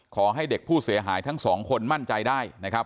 ขอให้เด็กผู้เสียหายทั้งสองคนมั่นใจได้นะครับ